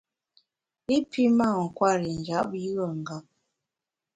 I pi mâ nkwer i njap yùe ngap.